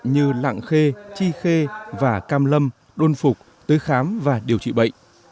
như lạng khê chi khê và cam lâm đôn phục tới khám và điều trị bệnh